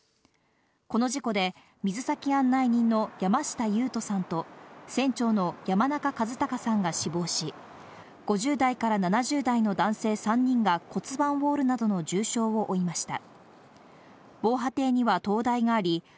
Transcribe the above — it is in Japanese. この事故で水先案内人の山下勇人さんと船長の山中和孝さんが死亡し、５０代から７０代の男性３人が骨盤を折るなどの重傷を負いました。